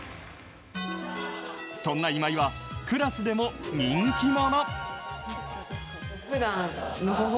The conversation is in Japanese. そんな今井は、クラスでも人気者。